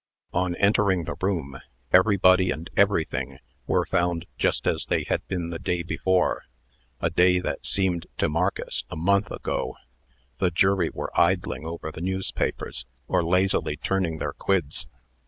On entering the room, everybody and everything were found just as they had been the day before a day that seemed to Marcus a month ago. The jury were idling over the newspapers, or lazily turning their quids.